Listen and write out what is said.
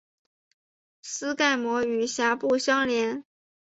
腮盖膜与峡部相连。